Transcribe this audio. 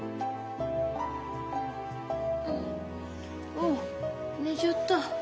おお寝ちゃった。